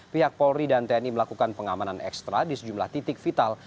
pihak polri dan tni melakukan pengamanan ekstra di sejumlah titik vital